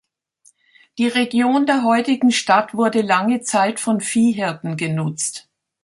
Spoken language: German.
Die Region der heutigen Stadt wurde lange Zeit von Viehhirten genutzt.